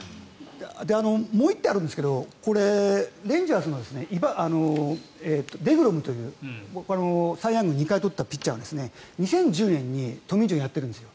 もう１点あるんですがレンジャーズのデグロムというサイ・ヤングを２回取ったピッチャーは２０１０年にトミー・ジョンやってるんです。